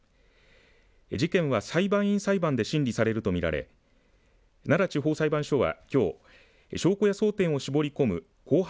事件は裁判員裁判で審理されると見られ奈良地方裁判所は、きょう証拠や争点を絞り込む公判